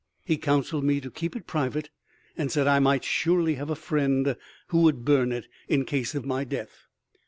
He counselled me to keep it private, and said I might surely have a friend who would burn it in case of my death."